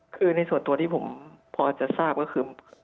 คือในส่วนตัวที่ผมพอจะทราบก็คือ